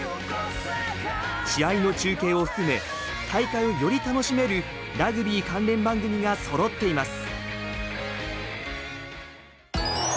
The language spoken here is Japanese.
試合の中継を含め大会をより楽しめるラグビー関連番組がそろっています。